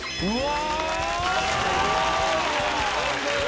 うわ！